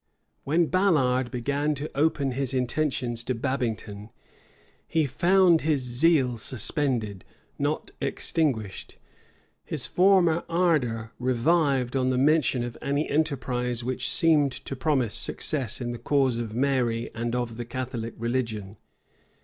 When Ballard began to open his intentions to Babington, he found his zeal suspended, not extinguished: his former ardor revived on the mention of any enterprise which seemed to promise success in the cause of Mary and of the Catholic religion.